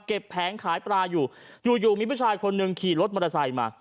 แผงขายปลาอยู่อยู่มีผู้ชายคนหนึ่งขี่รถมอเตอร์ไซค์มา